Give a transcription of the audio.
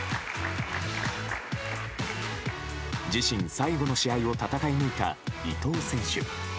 自身最後の試合を戦い抜いた伊藤選手。